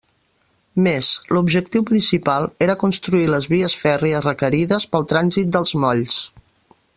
Més, l'objectiu principal, era construir les vies fèrries requerides pel trànsit dels molls.